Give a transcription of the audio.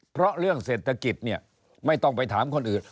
เพราะเรื่องเศรษฐกิจเนี่ยไม่ต้องไปถามคนอื่น